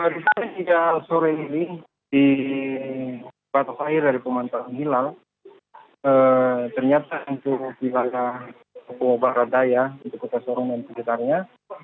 di sore ini di batas air dari pemantauan hilal ternyata untuk wilayah papua barat dayah kota sorong dan sekitarnya